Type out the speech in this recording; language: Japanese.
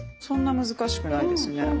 そんな難しくないですね。